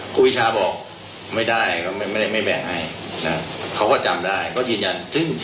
กูพิชาบอกไม่ได้ก็ไม่แบ่งให้เขาก็จำได้ก็ยืนยัน